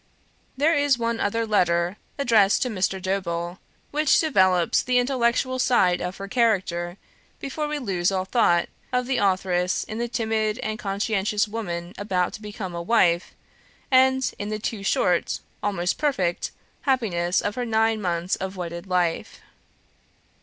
There is one other letter, addressed to Mr. Dobell, which developes the intellectual side of her character, before we lose all thought of the authoress in the timid and conscientious woman about to become a wife, and in the too short, almost perfect, happiness of her nine months of wedded life.